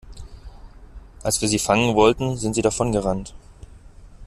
Als wir sie fangen wollten, sind sie davon gerannt.